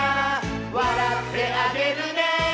「わらってあげるね」